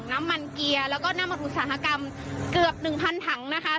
น้ำมันเกียร์แล้วก็น้ำมันอุตสาหกรรมเกือบ๑๐๐ถังนะคะ